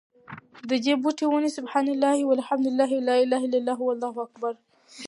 ددي بوټي، وني: سُبْحَانَ اللهِ وَالْحَمْدُ للهِ وَلَا إِلَهَ إلَّا اللهُ وَاللهُ أكْبَرُ دي